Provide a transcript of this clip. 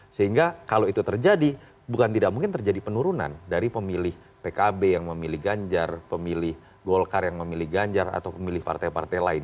sehingga kalau itu terjadi bukan tidak mungkin terjadi penurunan dari pemilih pkb yang memilih ganjar pemilih golkar yang memilih ganjar atau pemilih partai partai lain